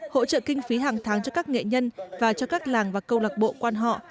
hỗ trợ kinh phí hàng tháng cho các nghệ nhân và cho các làng và câu lạc bộ quan họ